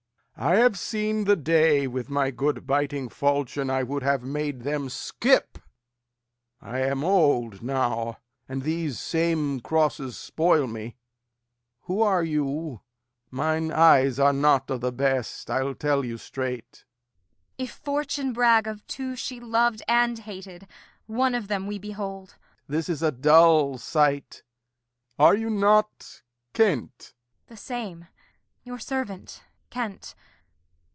I have seen the day, with my good biting falchion I would have made them skip. I am old now, And these same crosses spoil me. Who are you? Mine eyes are not o' th' best. I'll tell you straight. Kent. If fortune brag of two she lov'd and hated, One of them we behold. Lear. This' a dull sight. Are you not Kent? Kent. The same Your servant Kent.